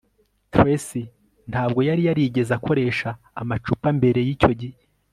tracy ntabwo yari yarigeze akoresha amacupa mbere yicyo gihe